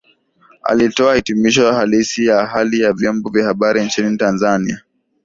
alitoa hitimisho halisi la hali ya vyombo vya habari nchini Tanzania